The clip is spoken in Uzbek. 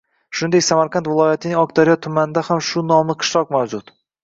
Shuningdek, Samarqand viloyatining Oqdaryo tumanida ham shu nomli qishloq mavjud.